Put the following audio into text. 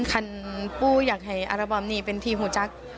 คันผู้อยากให้อารบัมนีเป็นทีมหูจักร